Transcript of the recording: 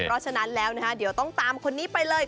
เพราะฉะนั้นแล้วนะคะเดี๋ยวต้องตามคนนี้ไปเลย